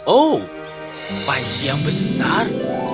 oh panci yang besar